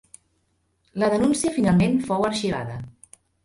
La denúncia finalment fou arxivada.